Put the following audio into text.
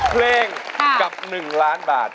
เพลงกับ๑ล้านบาท